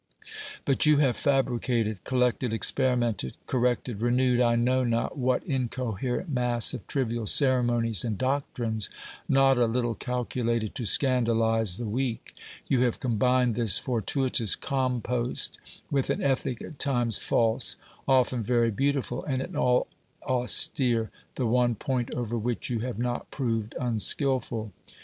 But you have fabricated, collected, experimented, cor rected, renewed I know not what incoherent mass of trivial ceremonies and doctrines not a little calculated to scandalise the weak; you have combined this fortuitous compost with an ethic at times false, often very beautiful, and in all austere, the one point over which you have not proved unskilful.